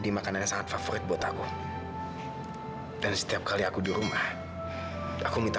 dan terus ikut